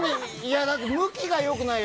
向きが良くない。